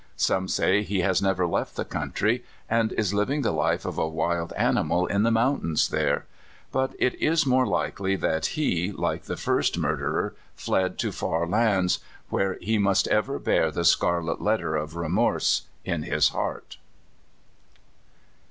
Some say he has never left the countr}^ and is livino; the life of a wild animal in the mountains there; but it is more likely that he, like the first murderer, fled to far lands, where he must ever bear the scarlet letter of remorse in his heart.